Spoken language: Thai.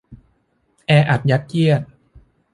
แออัดยัดเยียด